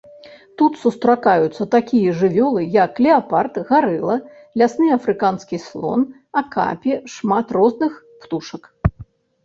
Тут сустракаюцца такія жывёлы, як леапард, гарыла, лясны афрыканскі слон, акапі, шмат розных птушак.